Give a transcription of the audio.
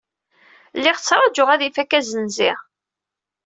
Lliɣ ttṛajuɣ ad ifak assenzi.